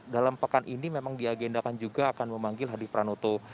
dalam pekan ini memang diagendakan juga akan memanggil hadi pranoto